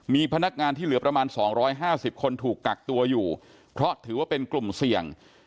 มีพนักงานที่เหลือประมาณ๒๕๐คนถูกกักตัวอยู่เพราะถือว่าเป็นกลุ่มเสี่ยง